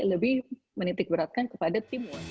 lebih menitik beratkan kepada timun